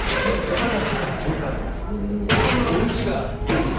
お金はこっちが安い。